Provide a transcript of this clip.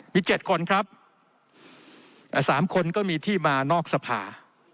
มี๗คนครับ๓คนก็มีที่มานอกสภา